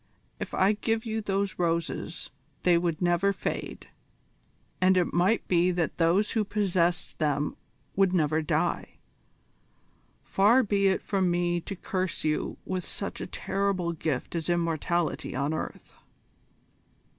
If I gave you those roses they would never fade, and it might be that those who possessed them would never die. Far be it from me to curse you with such a terrible gift as immortality on earth."